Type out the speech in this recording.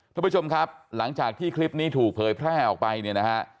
ทุกผู้ชมครับหลังจากที่คลิปนี้ถูกเผยแพร่ออกไปเนี่ยนะฮะ